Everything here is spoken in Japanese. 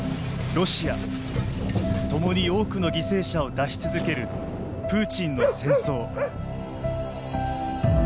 ロシア共に多くの犠牲者を出し続けるプーチンの戦争。